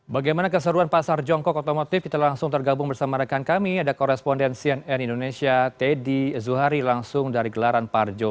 bagaimana keseruan pasar jongkok otomotif kita langsung tergabung bersama rekan kami ada koresponden cnn indonesia teddy zuhari langsung dari gelaran parjo